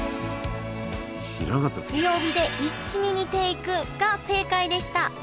「強火で一気に煮ていく」が正解でした。